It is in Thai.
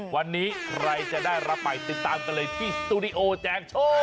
วันนี้ใครจะได้รับไปติดตามกันเลยที่สตูดิโอแจงโชค